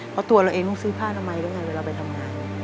เพราะตัวเราเองต้องซื้อผ้านามัยด้วยไงเวลาไปทำงาน